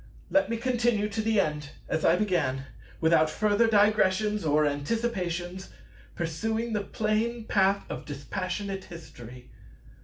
Let me continue to the end, as I began, without further digressions or anticipations, pursuing the plain path of dispassionate History.